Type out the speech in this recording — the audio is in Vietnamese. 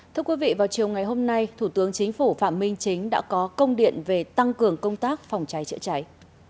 thưa quý vị vào chiều ngày hôm nay thủ tướng chính phủ phạm minh chính đã có công điện về tăng cường công tác phòng cháy chữa cháy